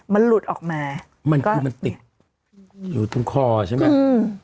มันหลุดออกมามันคือมันติดอยู่ตรงคอใช่ไหมอืม